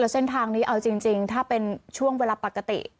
เส้นทางนี้เอาจริงถ้าเป็นช่วงเวลาปกติ